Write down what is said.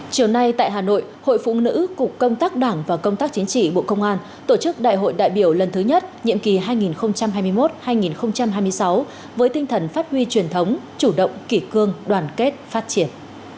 chiều nay tại hà nội hội phụ nữ cục công tác đảng và công tác chính trị bộ công an tổ chức đại hội đại biểu lần thứ nhất nhiệm kỳ hai nghìn hai mươi một hai nghìn hai mươi sáu với tinh thần phát huy truyền thống chủ động kỷ cương đoàn kết phát triển